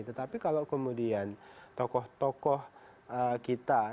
tetapi kalau kemudian tokoh tokoh kita